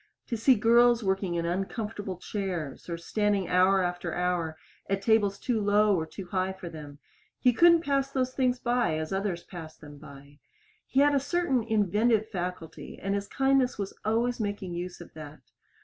To see girls working in uncomfortable chairs, or standing hour after hour at tables too low or too high for them he couldn't pass those things by as others passed them by. He had a certain inventive faculty, and his kindness was always making use of that.